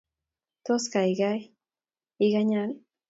Tos, gaigai iganya?